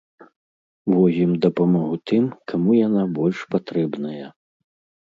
Возім дапамогу тым, каму яна больш патрэбная.